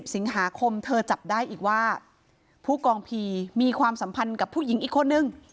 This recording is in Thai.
สิงหาคมเธอจับได้อีกว่าผู้กองพีมีความสัมพันธ์กับผู้หญิงอีกคนนึง